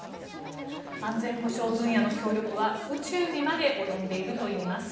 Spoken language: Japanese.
安全保障分野の協力は宇宙にまで及んでいるといいます。